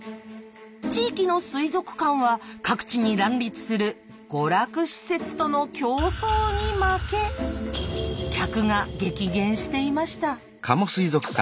地域の水族館は各地に乱立する娯楽施設との競争に負け客が激減していました。